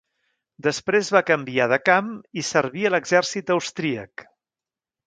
Després va canviar de camp i servir a l'exèrcit austríac.